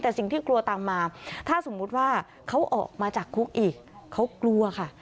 แต่สิ่งที่กลัวตามมาถ้าสมมุติว่าเขาออกมาจากคุกอีกเขากลัวค่ะ